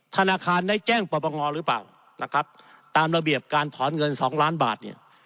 ธนาคารได้แจ้งประบังงอหรือเปล่าตามระเบียบการถอนเงิน๒ล้านบาท